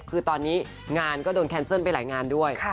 คือตอนนี้งานก็โดนแคนเซิลไปหลายงานด้วย